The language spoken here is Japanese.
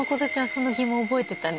その疑問覚えてたね。